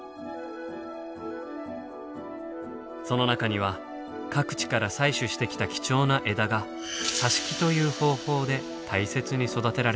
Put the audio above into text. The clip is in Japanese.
その中には各地から採取してきた貴重な枝が挿し木という方法で大切に育てられているのです。